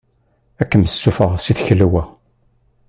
Ad kem-ssufɣeɣ si tkelwa.